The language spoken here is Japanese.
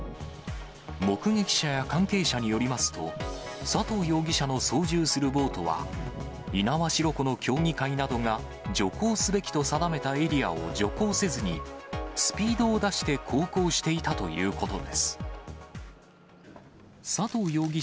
目撃者や関係者によりますと、佐藤容疑者の操縦するボートは、猪苗代湖の協議会などが徐行すべきと定めたエリアを徐行せずに、スピードを出して航行していたということです。